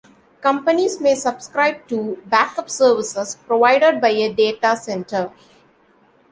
Companies may subscribe to backup services provided by a data center.